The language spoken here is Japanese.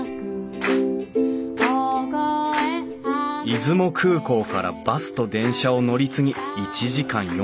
出雲空港からバスと電車を乗り継ぎ１時間４５分。